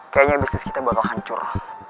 kayaknya bisnis kita bakal hancur